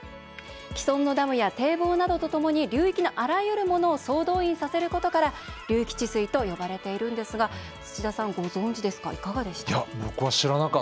既存のダムや堤防などとともに流域のあらゆるものを総動員させることから流域治水と呼ばれているんですが土田さん、ご存じでしたか？